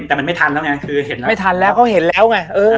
แต่มันไม่ทันแล้วไงคือเห็นแล้วไม่ทันแล้วเขาเห็นแล้วไง